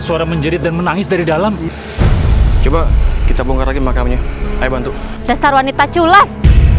suara menjerit dan menangis dari dalam coba kita bongkar lagi makamnya ayo bantu cesar wanita culas